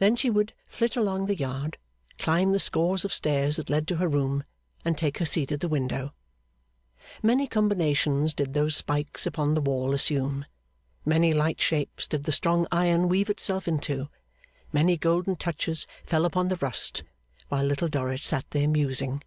Then she would flit along the yard, climb the scores of stairs that led to her room, and take her seat at the window. Many combinations did those spikes upon the wall assume, many light shapes did the strong iron weave itself into, many golden touches fell upon the rust, while Little Dorrit sat there musing.